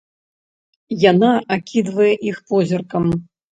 Яна акідвае іх позіркам.